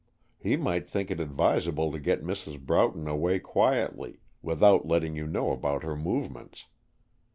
He might think it advisable to get Mrs. Broughton away quietly, without letting you know about her movements.